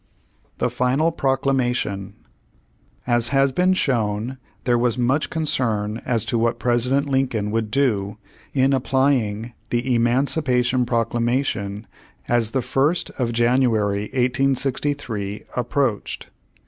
THE FINAL PROCLAMATION As has been shown there was much concern as to what President Lincoln would do in applying the Emancipation Proclamation as the First of January, 1863, approached.